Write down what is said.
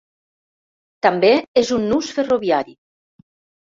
També és un nus ferroviari.